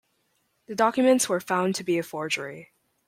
The documents were found to be a forgery.